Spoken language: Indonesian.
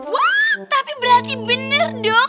wah tapi berarti bener dong